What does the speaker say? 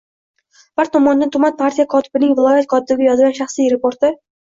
bir tomondan, tuman partiya kotibining viloyat kotibiga yozgan shaxsiy raporti